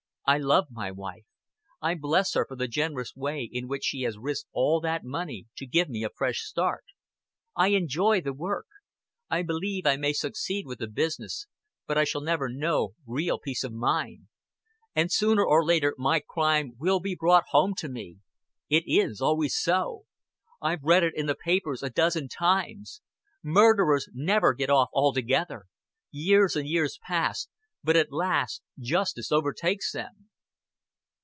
I love my wife; I bless her for the generous way in which she has risked all that money to give me a fresh start; I enjoy the work; I believe I may succeed with the business but I shall never know real peace of mind. And sooner or later my crime will be brought home to me. It is always so. I've read it in the papers a dozen times. Murderers never get off altogether. Years and years pass; but at last justice overtakes them."